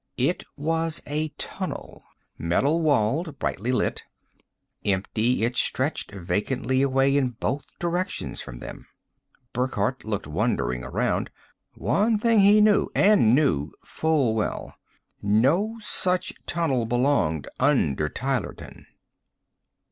It was a tunnel, metal walled, brightly lit. Empty, it stretched vacantly away in both directions from them. Burckhardt looked wondering around. One thing he knew and knew full well: No such tunnel belonged under Tylerton.